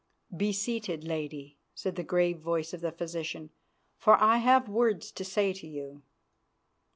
"Be seated, Lady," said the grave voice of the physician, "for I have words to say to you."